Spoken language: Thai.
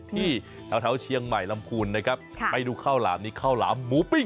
ที่แถวเชียงใหม่ลำพูนนะครับไปดูข้าวหลามนี้ข้าวหลามหมูปิ้ง